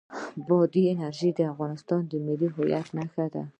بادي انرژي د افغانستان د ملي هویت نښه ده.